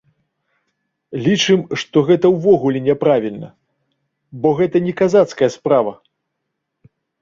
Лічым, што гэта ўвогуле няправільна, бо гэта не казацкая справа.